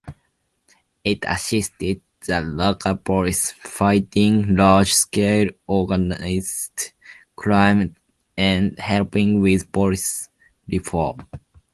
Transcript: It assisted the local police, fighting large-scale organised crime and helping with police reform.